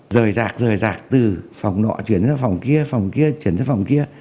rời rạc rời rạt từ phòng nọ chuyển sang phòng kia phòng kia chuyển sang phòng kia